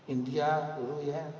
india dulu ya